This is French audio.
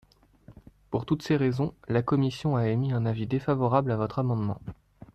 Pour toutes ces raisons, la commission a émis un avis défavorable à votre amendement.